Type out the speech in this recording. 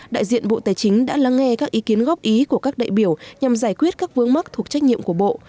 đại diện bộ tài chính đã lắng nghe các ý kiến góp ý của các đại biểu nhằm giải quyết các vướng mắc thuộc trách nhiệm của bộ